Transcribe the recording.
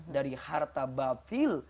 dari harta batil